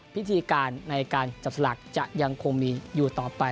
พิธีการในการจับสลากจะยังคงมีอยู่ต่อไป